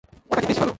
ওটা কি বেশি ভালো?